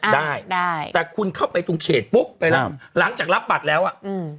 ได้ได้แต่คุณเข้าไปตรงเขตปุ๊บไปรับหลังจากรับบัตรแล้วอ่ะอืม